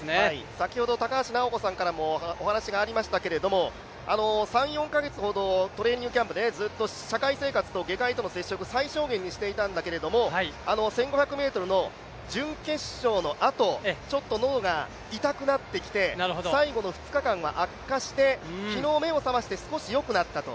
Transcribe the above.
先ほど高橋尚子さんからもお話がありましたけれども、３４か月ほど、トレーニングキャンプで、社会生活と下界との接触を最小限にしていたんだけれども、１５００ｍの準決勝のあと、ちょっと喉が痛くなってきて、最後の２日間は悪化して、昨日目を覚まして、少しよくなったと。